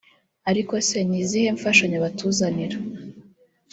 ariko se ni izihe mfashanyo batuzanira